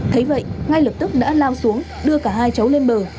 thế vậy ngay lập tức đã lao xuống đưa cả hai cháu lên bờ